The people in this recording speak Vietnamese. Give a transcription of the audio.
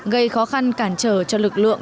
gây khó khăn cản trở cho lực lượng